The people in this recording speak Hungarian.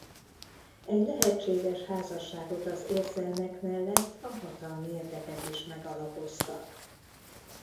Egy lehetséges házasságot az érzelmek mellett a hatalmi érdekek is megalapoztak.